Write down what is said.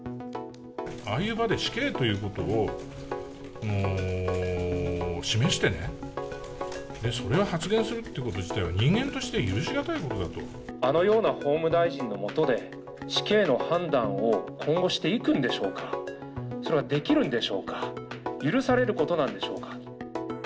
ああいう場で死刑ということを示してね、それを発言するっていうこと自体は、人間として許しがたいことだあのような法務大臣の下で、死刑の判断を今後、していくんでしょうか、それはできるんでしょうか、許されることなんでしょうか。